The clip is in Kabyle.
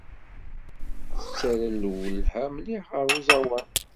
Tettarra lwelha mliḥ ɣer uẓawan.